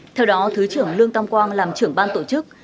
theo đó thứ trưởng lương tam quang làm trưởng ban tổ chức